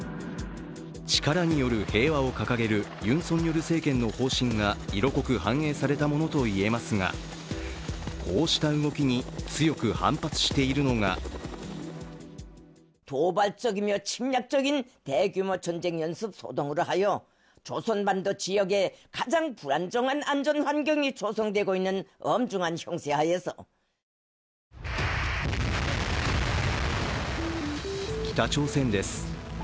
力による平和を掲げるユン・ソンニョル政権の方針が色濃く反映されたものと言えますがこうした動きに強く反発しているのが北朝鮮です。